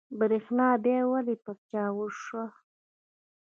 برېښنا بيا ولې پرچاو شوه؟